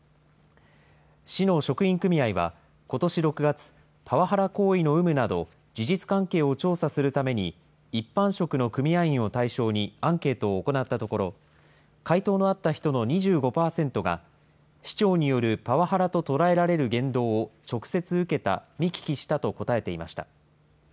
市の職員組合は、ことし６月、パワハラ行為の有無など、事実関係を調査するために、一般職の組合員を対象にアンケートを行ったところ、回答のあった人の２５％が、市長によるパワハラと捉えられる言動を直接受けた、見聞きしたと答えていました。